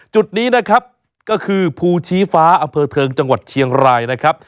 จุดนี้นะครับก็คือภูชีฟ้าอำเภอเทิงจังหวัดเชียงรายนะครับ